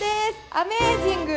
アメージング！